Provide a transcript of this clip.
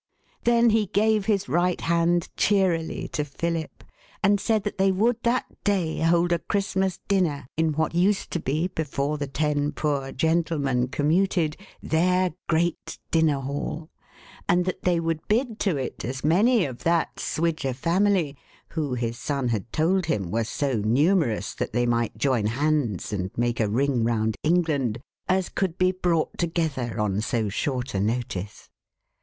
Then, he gave his right hand cheerily to Philip, and said that they would that day hold a Christmas dinner in what used to be, before the ten poor gentlemen commuted, their great Dinner Hall; and that they would bid to it as many of that Swidger family, who, his son had told him, were so numerous that they might join hands and make a ring round England, as could be brought together on so short a notice.